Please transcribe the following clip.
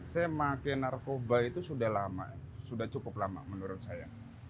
saya pakai narkoba itu sudah lama sudah cukup lama menurut saya